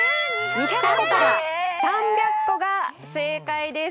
２００個から３００個が正解です。